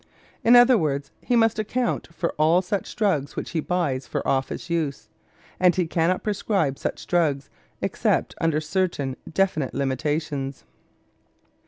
In other words, he must account for all such drugs which he buys for office use, and he cannot prescribe such drugs except under certain definite limitations.